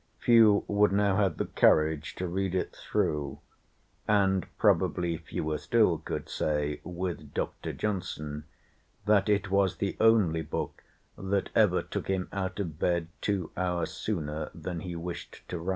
Few would now have the courage to read it through, and probably fewer still could say with Dr. Johnson that it "was the only book that ever took him out of bed two hours sooner than he wished to rise."